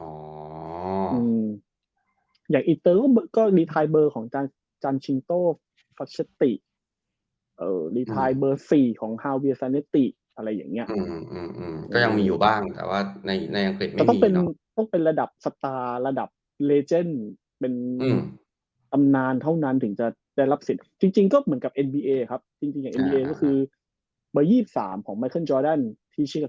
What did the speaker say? อ๋ออืมอย่างอีเตอร์ก็ก็รีไทรเบอร์ของจานจิงโตฟัสเช็ตติเอ่อรีไทรเบอร์สี่ของฮาวเวียแซเนตติอะไรอย่างเงี้ยอืมอืมอืมก็ยังมีอยู่บ้างแต่ว่าในในยังคือไม่มีเนอะต้องเป็นต้องเป็นระดับสตาร์ระดับเลเจนเป็นอืมตำนานเท่านั้นถึงจะได้รับศิษย์จริงจริงก็เหมือนก